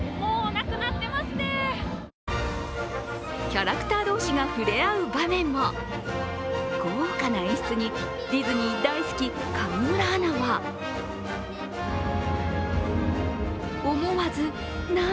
キャラクター同士がふれあう場面も豪華な演出にディズニー大好き上村アナは思わず涙。